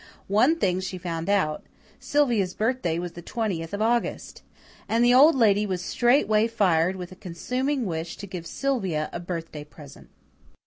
One thing she found out Sylvia's birthday was the twentieth of August. And the Old Lady was straightway fired with a consuming wish to give Sylvia a birthday present.